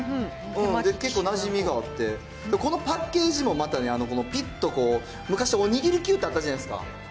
結構なじみがあって、このパッケージもまたね、ぴっと、昔おにぎりってあったじゃないですか。